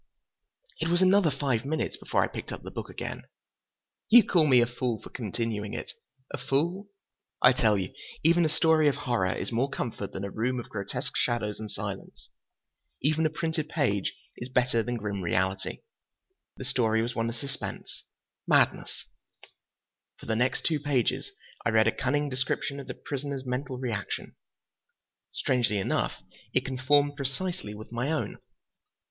It was another five minutes before I picked up the book again. You call me a fool for continuing it? A fool? I tell you, even a story of horror is more comfort than a room of grotesque shadows and silence. Even a printed page is better than grim reality! And so I read on. The story was one of suspense, madness. For the next two pages I read a cunning description of the prisoner's mental reaction. Strangely enough, it conformed precisely with my own.